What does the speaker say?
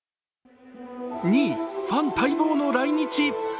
２位、ファン待望の来日。